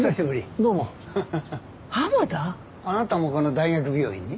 あなたもこの大学病院に？